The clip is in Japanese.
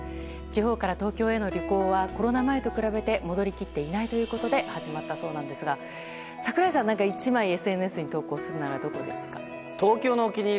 地方から東京への旅行はコロナ前と比べて戻り切っていないということで始まったのですが櫻井さんは、１枚ＳＮＳに投稿するならどこですか？